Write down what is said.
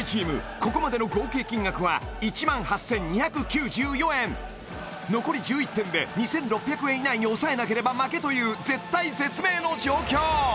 ここまでの合計金額は１８２９４円残り１１点で２６００円以内に抑えなければ負けという絶体絶命の状況！